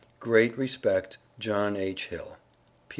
Great respect, JOHN H. HILL.